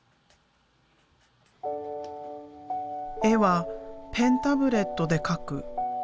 絵はペンタブレットで描く。